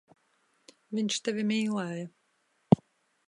Viņš tevi mīlēja.